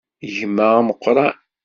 Gma ameqqran.